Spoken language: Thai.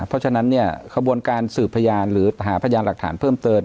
เพราะฉะนั้นเนี่ยขบวนการสืบพยานหรือหาพยานหลักฐานเพิ่มเติม